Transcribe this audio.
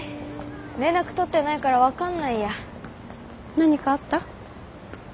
何かあった？